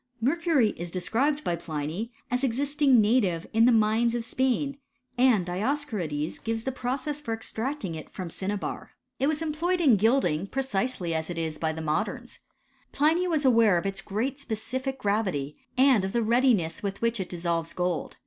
I Mercury is described by Pliny as existing native in the mines of Spain, and Dioscorides gives the process for extracting it from cinnabar. It was employed in *. Ditwcorjdeiij iib. r.,c. 110. 74' HISTOEY or CHEMISTRY. gilding precisely as it is by the moderns. Pliny was aware of its great specific gravity, and of the readiness with which it dissolves gold.